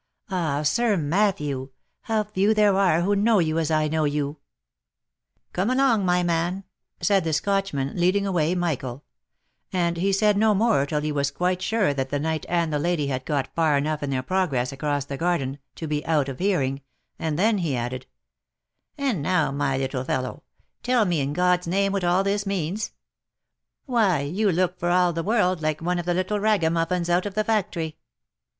" Ah, Sir Matthew! how few there are who know you as I know you !"" Come along, my man," said the Scotchman, leading away Michael ; and he said no more till he was quite sure that the knight and the lady had got far enough in their progress across the garden, to be out of hearing, and then he added :" And now, my little fellow, tell me in God's name what all this means ? Why, you look for all the world like one of the little raggamuffins out of the factory."